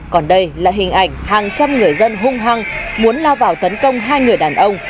còn đây là hình ảnh hàng trăm người dân hung hăng muốn lao vào tấn công hai người đàn ông